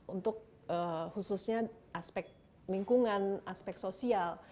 untuk khususnya aspek lingkungan aspek sosial